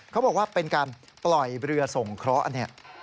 เขาบอกว่าเป็นการปล่อยเรือส่งเคราะห์เนี่ย